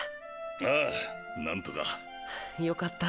ああ何とか。よかった。